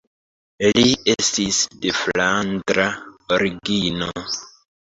Li estis de flandra origino.